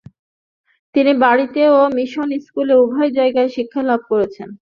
তিনি বাড়িতে এবং মিশন স্কুলে উভয় জায়গায় শিক্ষালাভ করেছেন।